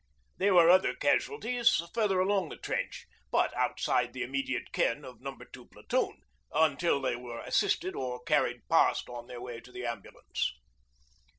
There were other casualties further along the trench, but outside the immediate ken of No. 2 Platoon, until they were assisted or carried past on their way to the ambulance.